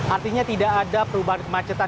artinya tidak ada perubahan kemacetan